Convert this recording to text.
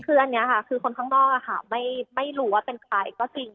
คืออันนี้ค่ะคือคนข้างนอกไม่รู้ว่าเป็นใครก็จริง